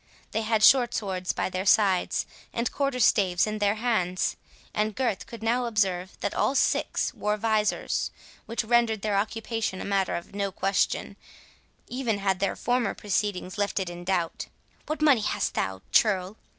They had short swords by their sides, and quarter staves in their hands, and Gurth could now observe that all six wore visors, which rendered their occupation a matter of no question, even had their former proceedings left it in doubt. "What money hast thou, churl?"